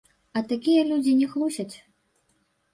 А такія людзі не хлусяць.